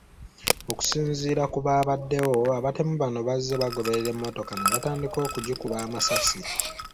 Okusinziira ku baabaddewo, abatemu bano bazze bagoberera emmotoka ne batandika okugikuba amasasi.